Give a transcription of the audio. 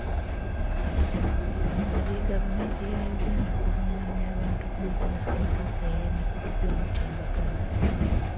Asabye gavumenti ya Uganda okulungamya abantu ku nkozesa entuufu ey'emikutu gy'omutimbagano.